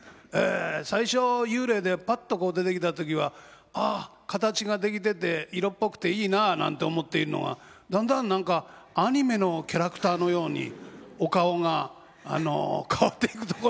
最初幽霊でぱっと出てきた時はああ形が出来てて色っぽくていいななんて思っているのがだんだん何かアニメのキャラクターのようにお顔が変わっていくところがびっくりしました。